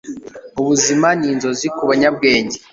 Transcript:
Ubuzima ni inzozi ku banyabwenge,